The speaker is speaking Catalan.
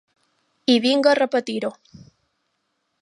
I vinga repetir-ho.